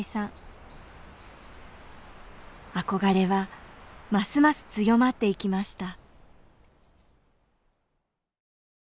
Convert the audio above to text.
憧れはますます強まっていきました